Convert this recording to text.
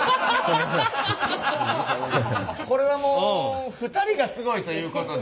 これはもう２人がすごいということで。